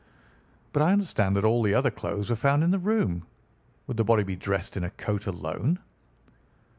"But I understand that all the other clothes were found in the room. Would the body be dressed in a coat alone?"